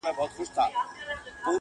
یو يې زوی وو په کهاله کي نازولی؛